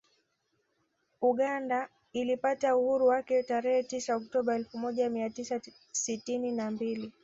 Uganda ilipata uhuru wake tarehe tisa Oktoba elfu moja mia tisa sitini na mbili